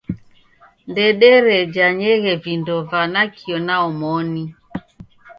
Ndederejanyeghe vindo va nakio na omoni.